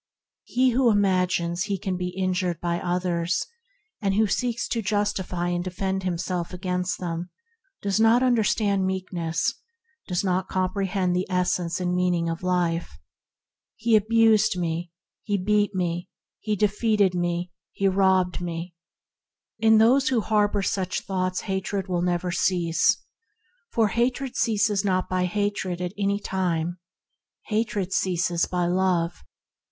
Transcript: He who imagines he can be injured by others, who seeks to justify and defend himself against them, does not understand Meekness, does not comprehend the essence and meaning of life. "He abused me, he beat me, he defeated me, he robbed me. — THE MIGHT OF MEEKNESS 119 In those who harbor such thoughts hatred will never cease, ... for hatred ceases not by hatred at any time; hatred ceases by love."